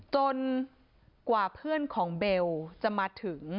จนกว่าเพื่อนของเบลจะมาถึง